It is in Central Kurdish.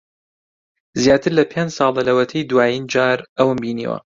زیاتر لە پێنج ساڵە لەوەتەی دوایین جار ئەوم بینیوە.